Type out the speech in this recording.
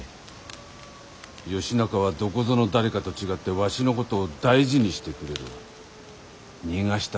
義仲はどこぞの誰かと違ってわしのことを大事にしてくれるわ。